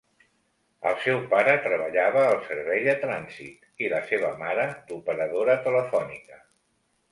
El seu pare treballava al servei de trànsit i, la seva mare, d'operadora telefònica.